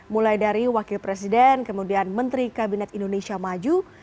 mulai dari wakil presiden kemudian menteri kabinet indonesia maju